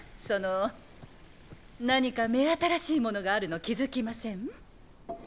その何か目新しいものがあるの気付きません？